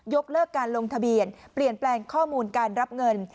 เลิกการลงทะเบียนเปลี่ยนแปลงข้อมูลการรับเงิน